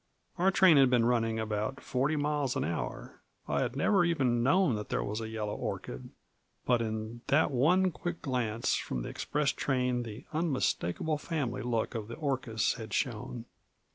Our train had been running about forty miles an hour; I had never even known that there was a yellow orchid, but in that one quick glance from the express train the unmistakable family look of the orchis had shown.